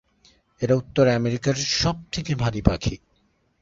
এরা উত্তর আমেরিকার সব থেকে ভারী পাখি।